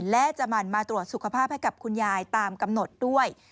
และจะหมั่นมาตรวจสุขภาพให้กับคุณยายตามกำหนดด้วย